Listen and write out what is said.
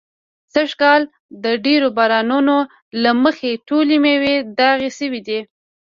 سږ کال د ډېرو بارانو نو له مخې ټولې مېوې داغي شوي دي.